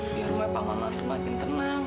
biar rumah pak maman itu makin tenang